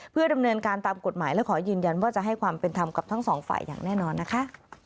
เพื่อดำเนินการตามกฎหมายและขอยืนยันว่าจะให้ความเป็นธรรมกับทั้งสองฝ่ายอย่างแน่นอนนะคะ